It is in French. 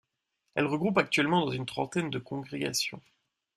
Elle regroupe actuellement dans une trentaine de congrégations.